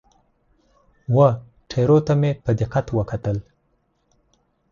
وه ټیرو ته مې په دقت وکتل.